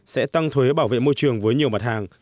sẽ tăng thuế bảo vệ môi trường với nhiều mặt hàng